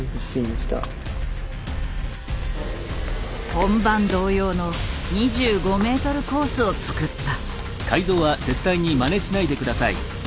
本番同様の２５ｍコースを作った。